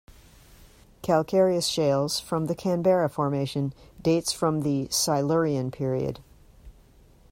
Calcareous shales from the Canberra Formation dates from the Silurian period.